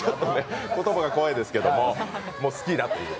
言葉が怖いですけれども、好きだと。